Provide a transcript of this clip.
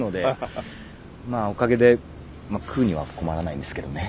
まあおかげで食うには困らないんですけどね。